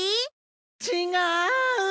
ちがう！